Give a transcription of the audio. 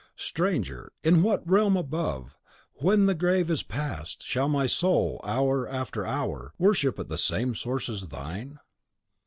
Stranger, in what realm above, when the grave is past, shall my soul, hour after hour, worship at the same source as thine?